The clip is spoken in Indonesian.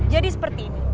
jadi seperti ini